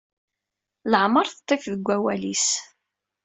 Leɛmeṛ teṭṭif deg wawal-is.